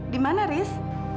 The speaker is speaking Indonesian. di mana haris